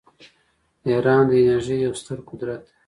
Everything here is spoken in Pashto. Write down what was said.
ایران د انرژۍ یو ستر قدرت دی.